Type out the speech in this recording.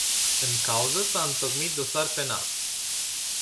În cauză s-a întocmit dosar penal.